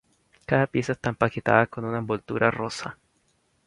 Cada pieza está empaquetada con una envoltura rosa.